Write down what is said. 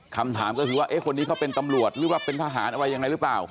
คำถามก็คือว่าคนนี้เขาเป็นตำรวจหรือว่าเป็นทหารอะไรยังไงหรือเปล่า